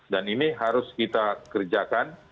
dan ini harus kita kerjakan